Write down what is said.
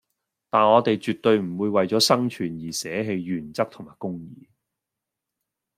但我地絕對唔會為左生存而捨棄原則同公義